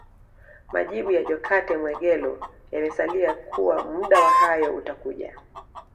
Majibu ya Jokate Mwegelo yamesalia kuwa muda wa hayo utakuja